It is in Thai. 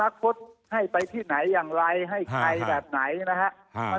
สมัครพุทธให้ไปที่ไหนอย่างไรให้ใครแบบไหนนะฮะ